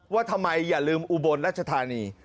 ว่าทำไมอย่าลืมอุบลรัชธานี